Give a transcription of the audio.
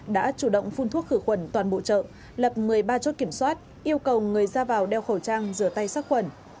đã chủ động phun thuốc khử khuẩn toàn bộ chợ lập một mươi ba chốt kiểm soát yêu cầu người ra vào đeo khẩu trang rửa tay sát khuẩn